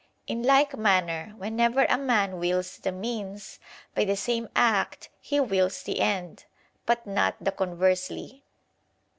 In like manner whenever a man wills the means, by the same act he wills the end; but not the conversely.